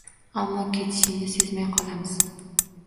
Ammo ketishingni sezmay qolamiz.